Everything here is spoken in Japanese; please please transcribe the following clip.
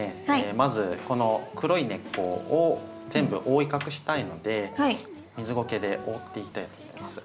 まずこの黒い根っこを全部覆い隠したいので水ごけで覆っていきたいと思います。